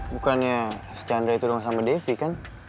bukannya si chandra itu dong sama deyv kan